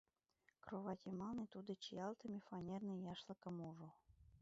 Кровать йымалне тудо чиялтыме фанерный яшлыкым ужо.